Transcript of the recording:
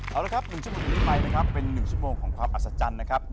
เอาละครับ๑ชั่วโมงจากนี้ไปนะครับเป็น๑ชั่วโมงของความอัศจรรย์นะครับ